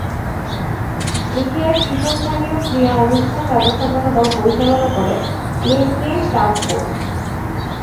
এশিয়ার শীর্ষস্থানীয় ক্রীড়া অনুষ্ঠান ব্যবস্থাপনা দল পরিচালনা করে ইএসপিএন স্টার স্পোর্টস।